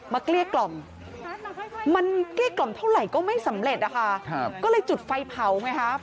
เกลี้ยกล่อมมันเกลี้ยกล่อมเท่าไหร่ก็ไม่สำเร็จนะคะก็เลยจุดไฟเผาไงฮะ